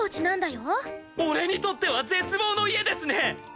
俺にとっては絶望の家ですね！